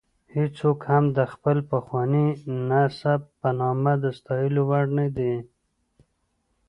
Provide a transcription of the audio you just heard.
هېڅوک هم د خپل پخواني نسب په نامه د ستایلو وړ نه دی.